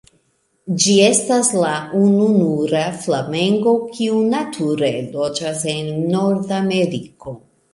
Ĝi estas la ununura flamengo kiu nature loĝas en Nordameriko.